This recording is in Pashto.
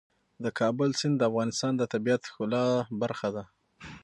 د کابل سیند د افغانستان د طبیعت د ښکلا برخه ده.